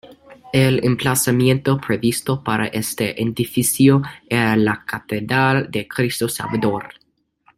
El emplazamiento previsto para este edificio era la Catedral de Cristo Salvador.